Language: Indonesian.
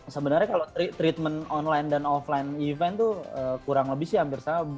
sebenarnya kalau treatment online dan offline event itu kurang lebih sih hampir sama